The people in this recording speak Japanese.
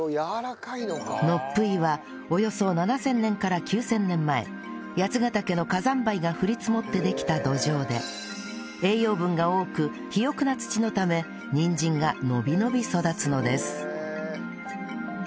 のっぷいはおよそ７０００年から９０００年前八ヶ岳の火山灰が降り積もってできた土壌で栄養分が多く肥沃な土のためにんじんが伸び伸び育つのです